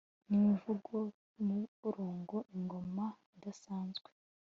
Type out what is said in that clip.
Nimivugo yumurongo ingoma idasanzwe